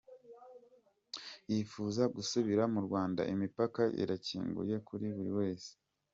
Yifuza gusubira mu Rwanda, imipaka irakinguye kuri buri wese.”